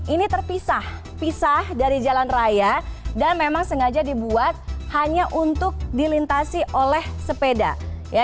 ini terpisah pisah dari jalan raya dan memang sengaja dibuat hanya untuk dilintasi oleh sepeda